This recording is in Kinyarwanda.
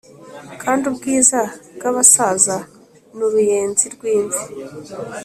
kandi ubwiza bw’abasaza ni uruyenzi rw’imvi